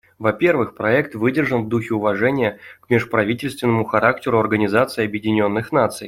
Во-первых, проект выдержан в духе уважения к межправительственному характеру Организации Объединенных Наций.